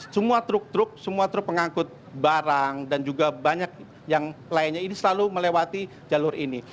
semua truk truk semua truk pengangkut barang dan juga banyak yang lainnya ini selalu melewati jalur ini